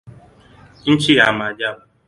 Nchi ya maajabu.